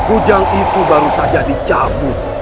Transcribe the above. ujang itu baru saja dicabut